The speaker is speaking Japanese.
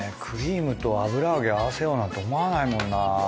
クリームと油揚げ合わせようなんて思わないもんな。